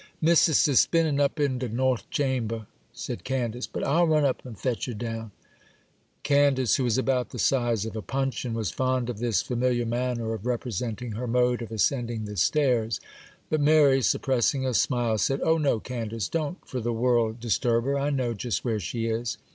'Missis is spinnin' up in de north chamber,' said Candace; 'but I'll run up and fetch her down.' Candace, who was about the size of a puncheon, was fond of this familiar manner of representing her mode of ascending the stairs; but Mary, suppressing a smile, said, 'Oh, no, Candace; don't for the world disturb her. I know just where she is.